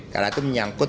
karena itu menyangkut